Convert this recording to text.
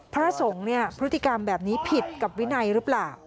พระสงฆ์เนี่ยพฤติกรรมแบบนี้ผิดกับวินัยหรือเปล่า